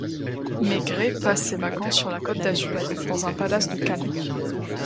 Maigret, passe ses vacances sur la Côte d'Azur, dans un palace de Cannes.